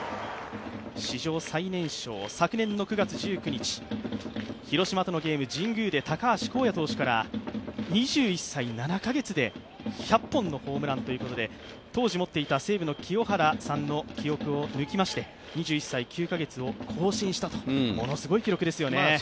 史上最年少、昨年の９月１９日、広島とのゲーム、神宮で高橋昂也投手から、２１歳７カ月で１００本のホームランということで当時持っていた西武の清原さんの記録を抜きまして、２１歳９カ月を更新したと、ものすごい記録ですよね。